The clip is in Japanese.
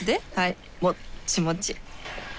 もっちもち